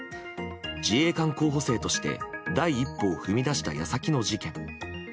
自衛官候補生として第一歩を踏み出した矢先の事件。